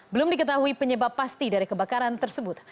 belum diketahui penyebab pasti dari kebakaran tersebut